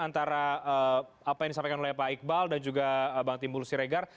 antara apa yang disampaikan oleh pak iqbal dan juga bang timbul siregar